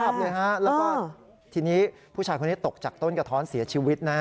แล้วก็ทีนี้ผู้ชายคนนี้ตกจากต้นกระท้อนเสียชีวิตนะฮะ